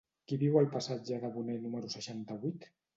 Qui viu al passatge de Boné número seixanta-vuit?